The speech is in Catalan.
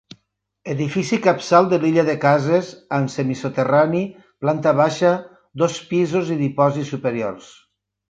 Edifici capçal de l'illa de cases, amb semisoterrani, planta baixa, dos pisos i dipòsits superiors.